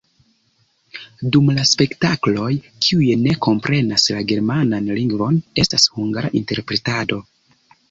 Dum la spektakloj kiuj ne komprenas la germanan lingvon, estas hungara interpretado.